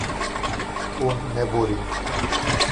Hûn neborîn.